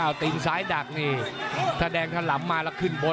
วิธยาเพชร๔๐๐๐๐ครับ